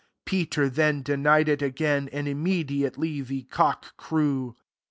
27 Peter then denied it again ; and im mediately the cock crew.